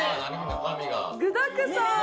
具だくさん。